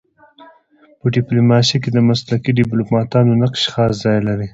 په ډيپلوماسی کي د مسلکي ډيپلوماتانو نقش خاص ځای لري.